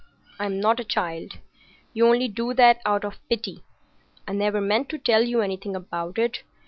I'm not a child. You only do that out of pity. I never meant to tell you anything about it.